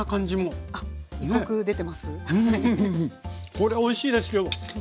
これおいしいです今日。